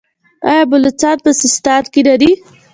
آیا بلوڅان په سیستان کې نه دي؟